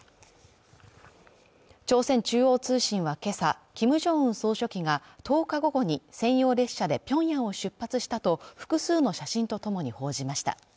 朝鮮中央通信は今朝キム・ジョンウン総書記が１０日午後に専用列車でピョンヤンを出発したと複数の写真とともに報じました